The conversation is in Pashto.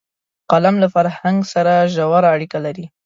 قلم له فرهنګ سره ژوره اړیکه لري